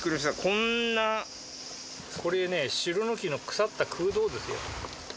こんな、これね、シュロの木の腐った空洞ですよ。